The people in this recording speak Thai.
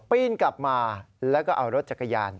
ปีนกลับมาแล้วก็เอารถจักรยาน